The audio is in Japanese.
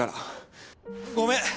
ごめん！